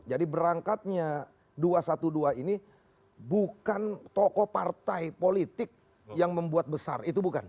jadi berangkatnya dua ratus dua belas ini bukan tokoh partai politik yang membuat besar